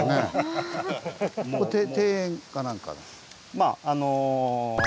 まああの。